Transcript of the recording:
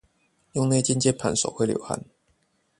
用內建鍵盤手會流汗